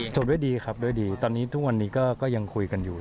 จบด้วยดีครับด้วยดีตอนนี้ทุกวันนี้ก็ยังคุยกันอยู่